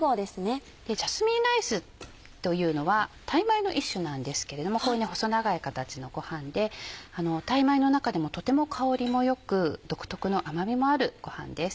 ジャスミンライスというのはタイ米の一種なんですけれども細長い形のご飯でタイ米の中でもとても香りも良く独特の甘みもあるご飯です。